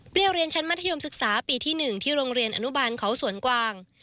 เรียนชั้นมัธยมศึกษาปีที่๑ที่โรงเรียนอนุบาลเขาสวนกวาง